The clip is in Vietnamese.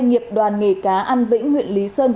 nghiệp đoàn nghề cá ăn vĩnh huyện lý sơn